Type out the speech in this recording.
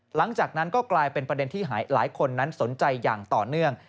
หลังจากนั้นก็กลายเป็นประเด็นที่หลายคนนั้นสนใจอย่างต่อเนื่อง